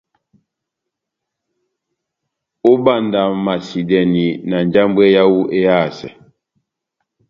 Óbandamasidɛni na njambwɛ yáwu éhásɛ.